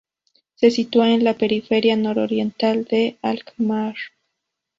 Se sitúa en la periferia nororiental de Alkmaar.